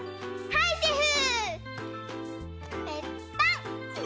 はいシェフ！